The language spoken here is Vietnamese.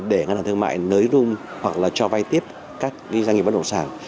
để ngân hàng thương mại nới roum hoặc là cho vay tiếp các doanh nghiệp bất động sản